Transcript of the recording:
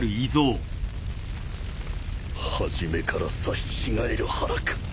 初めから刺し違える腹か。